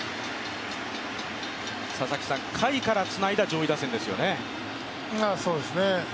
下位からつないだ上位打線ですよね。